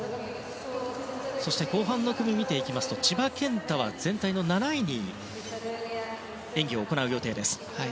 そして後半の組を見ていくと千葉健太は全体の７位に演技を行う予定です。